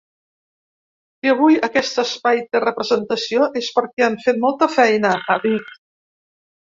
Si avui aquest espai té representació, és perquè han fet molta feina, ha dit.